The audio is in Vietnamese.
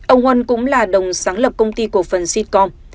ông huân cũng là đồng sáng lập công ty cổ phần sincom